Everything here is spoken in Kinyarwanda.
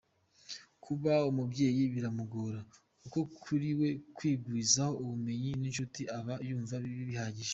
Kuba umubyeyi biramugora kuko kuri we kwigwizaho ubumenyi n’inshuti aba yumva bihagije.